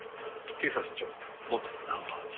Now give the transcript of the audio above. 警察庁元ナンバー２。